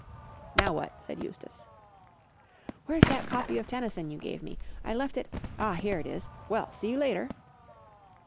"Now what?" said Eustace. "Where's that copy of Tennyson you gave me? I left it—ah, here it is. Well, see you later!"